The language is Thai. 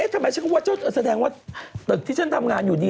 ทำไมฉันก็ว่าแสดงว่าตึกที่ฉันทำงานอยู่ดี